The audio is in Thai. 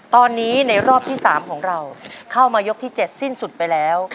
ตอนนี้ในรอบที่๓ของเราเข้ามายกที่๗สิ้นสุดไปแล้ว